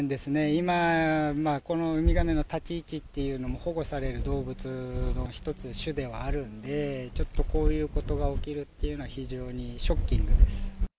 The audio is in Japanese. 今、このウミガメの立ち位置っていうのも、保護される動物の一つ、種ではあるので、ちょっとこういうことが起きるっていうのは、非常にショッキングです。